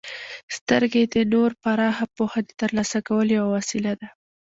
•سترګې د نور پراخه پوهه د ترلاسه کولو یوه وسیله ده.